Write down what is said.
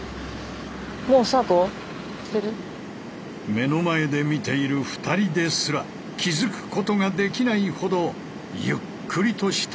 目の前で見ている２人ですら気付くことができないほどゆっくりとした動き。